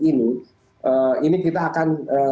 ini kita akan